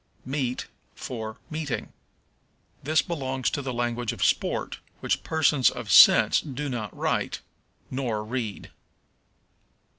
Meet for Meeting. This belongs to the language of sport, which persons of sense do not write nor read.